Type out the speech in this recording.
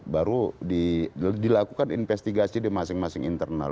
baru dilakukan investigasi di masing masing internal